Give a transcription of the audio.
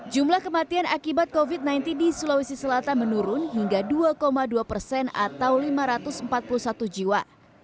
jumlah kematian akibat covid sembilan belas di sulawesi selatan menurun hingga dua dua persen atau lima ratus empat puluh satu jiwa